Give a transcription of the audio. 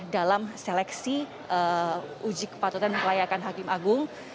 dalam seleksi uji kepatutan dan kelayakan hakim agung